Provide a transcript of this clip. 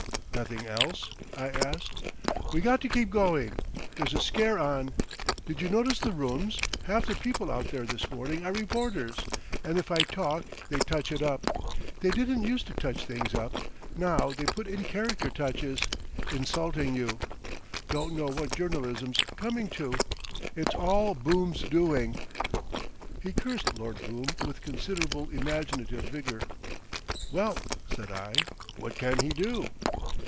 "Nothing else?" I asked. "We got to keep going. There's a scare on. Did you notice the rooms? Half the people out there this morning are reporters. And if I talk they touch it up!... They didn't used to touch things up! Now they put in character touches—insulting you. Don't know what journalism's coming to. It's all Boom's doing." He cursed Lord Boom with considerable imaginative vigour. "Well," said I, "what can he do?"